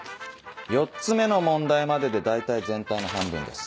４つ目の問題までで大体全体の半分です。